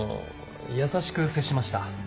優しく接しました。